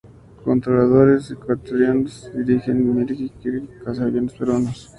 Los controladores ecuatorianos dirigen los Mirage y Kfir hacia los aviones peruanos.